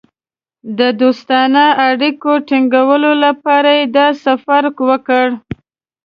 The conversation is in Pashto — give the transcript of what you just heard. د دوستانه اړیکو ټینګولو لپاره یې دا سفر وکړ.